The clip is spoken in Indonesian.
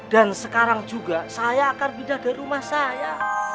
dan sekarang juga saya akan pindah dari rumah saya